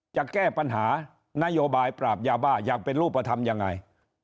จะแก้ปัญหานโยบายปราบยาบ้าอย่างเป็นรูปธรรมยังไง